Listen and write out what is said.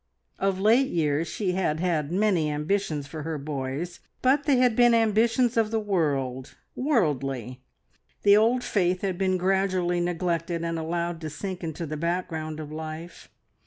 Of late years she had had many ambitions for her boys, but they had been ambitions of the world, worldly. The old faith had been gradually neglected and allowed to sink into the background of life.